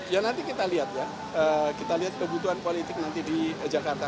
ya nanti kita lihat ya kita lihat kebutuhan politik nanti di jakarta